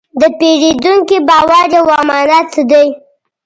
د پیرودونکي باور یو امانت دی.